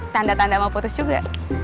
tanda tanda mau putus juga